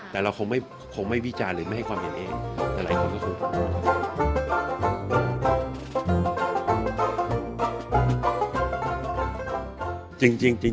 แต่เราคงไม่วิจารณ์หรือไม่ให้ความเห็นเองหลายคนก็คือ